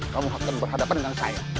kamu akan berhadapan dengan saya